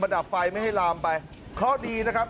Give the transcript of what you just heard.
ดับไฟไม่ให้ลามไปเพราะดีนะครับ